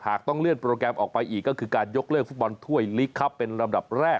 หากต้องเลื่อนโปรแกรมออกไปอีกก็คือการหยกเลื่อนฟุตบอลถ้วยลีกครับ